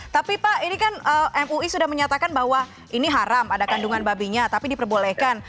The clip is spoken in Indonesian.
tapi pak ini kan mui sudah menyatakan bahwa ini haram ada kandungan babinya tapi diperbolehkan